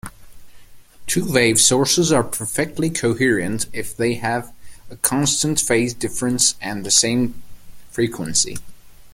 Two-wave sources are perfectly coherent if they have a constant phase difference and the same frequency.